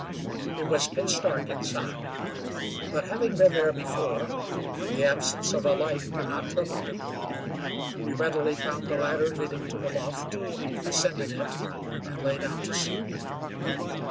It was pitch dark inside; but having been there before, the absence of a light did not trouble him. He readily found the ladder leading to the loft, ascended it, and lay down to sleep.